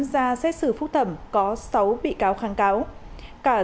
ra xét xử phúc thẩm có sáu bị cáo kháng cáo